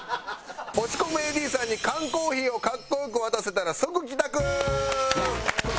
落ち込むＡＤさんに缶コーヒーを格好良く渡せたら即帰宅！